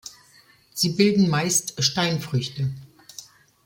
Sie bilden meist Steinfrüchte.